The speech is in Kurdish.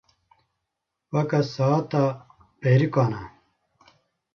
Weke saeta bêrîkan e.